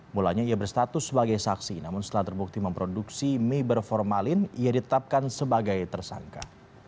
mulanya ia berstatus sebagai saksi namun setelah terbukti memproduksi mie berformalin ia ditetapkan sebagai tersangka